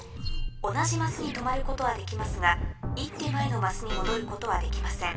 同じマスに止まることはできますが１手前のマスに戻ることはできません。